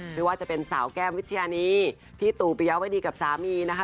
ไม่ว่าจะเป็นสาวแก้มวิชญานีพี่ตู่ปิยาวดีกับสามีนะคะ